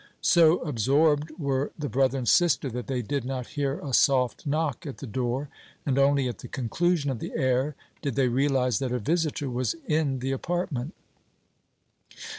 So absorbed were the brother and sister that they did not hear a soft knock at the door, and only at the conclusion of the air did they realize that a visitor was in the apartment.